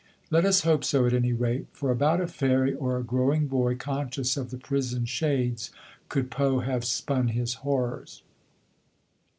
Let us hope so at any rate, for about a fairy or a growing boy conscious of the prison shades could Poe have spun his horrors.